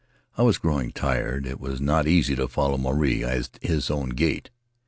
I was growing tired — it was not easy to follow Maruae at his own gait.